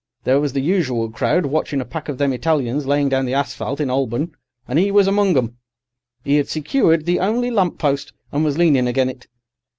There was the usual crowd watching a pack of them Italians laying down the asphalt in 'Olborn, and 'e was among 'em. 'E 'ad secured the only lamp post, and was leaning agen it.